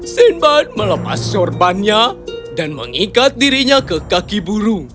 sinbad melepas sorbannya dan mengikat dirinya ke kaki burung